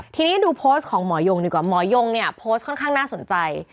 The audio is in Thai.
ทีนี้ดูโพสต์ของหมอยงดีกว่าหมอยงเนี่ยโพสต์ค่อนข้างน่าสนใจ